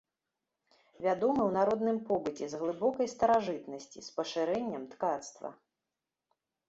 Вядомы ў народным побыце з глыбокай старажытнасці з пашырэннем ткацтва.